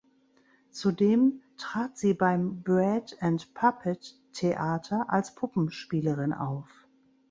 Zudem trat sie beim Bread and Puppet Theater als Puppenspielerin auf.